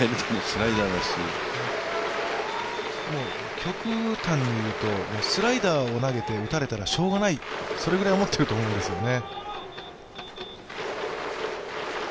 極端に言うとスライダーを投げて打たれたらしようがない、それくらい思っていると思うんですよね。